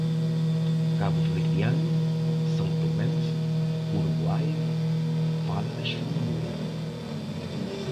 cabo-verdiano, são-tomense, uruguaio, fala da Estremadura